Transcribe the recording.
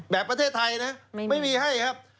ประเทศไทยนะไม่มีให้ครับ